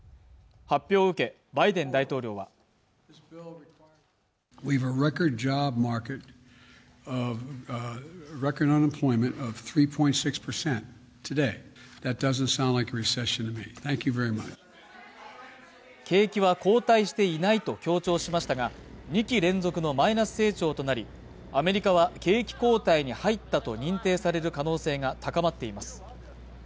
発表を受けバイデン大統領は景気は後退していないと強調しましたが２期連続のマイナス成長となりアメリカは景気後退に入ったと認定される可能性が高まっています